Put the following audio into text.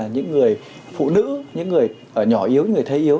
những người phụ nữ những người nhỏ yếu những người thầy yếu